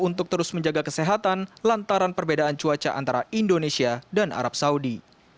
untuk terus menjaga kesehatan lantaran perbedaan cuaca antara indonesia dan arab saudi